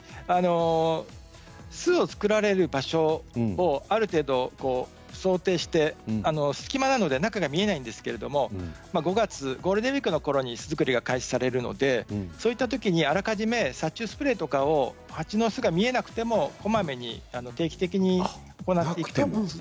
巣を作られる場所をある程度、想定して隙間なので中が見えないんですけど５月ゴールデンウイークのころに巣作りが開始されるのでそういったときにあらかじめ殺虫スプレーとかをハチの巣が見えなくてもこまめに定期的にまくと。